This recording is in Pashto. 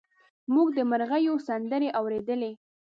موږ د مرغیو سندرې اورېدلې.